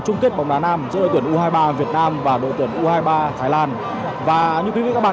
chung kết bóng đá nam giữa đội tuyển u hai mươi ba việt nam và đội tuyển u hai mươi ba thái lan và như quý vị các bạn